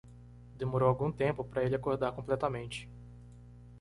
Demorou algum tempo para ele acordar completamente.